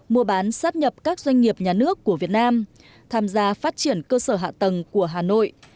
mua bán sát nhập các doanh nghiệp nhà nước của việt nam tham gia phát triển cơ sở hạ tầng của hà nội